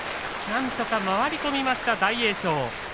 なんとか回り込みました大栄翔。